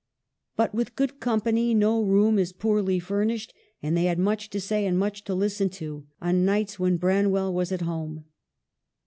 But with good company no room is poorly furnished ; and they had much to say, and much to listen to, on nights when Branwell was at home.